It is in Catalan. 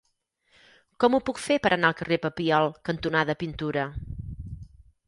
Com ho puc fer per anar al carrer Papiol cantonada Pintura?